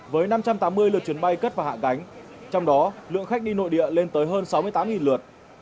với năm trăm tám mươi lượt chuyến bay cất và hạ cánh trong đó lượng khách đi nội địa lên tới hơn sáu mươi tám lượt